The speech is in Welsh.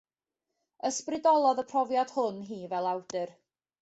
Ysbrydolodd y profiad hwn hi fel awdur.